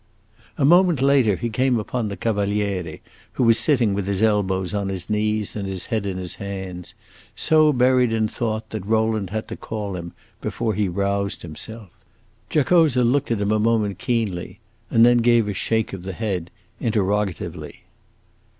A moment later he came upon the Cavaliere, who was sitting with his elbows on his knees and his head in his hands, so buried in thought that Rowland had to call him before he roused himself. Giacosa looked at him a moment keenly, and then gave a shake of the head, interrogatively.